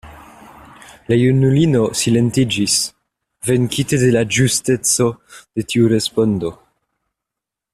La junulino silentiĝis, venkite de la ĝusteco de tiu respondo.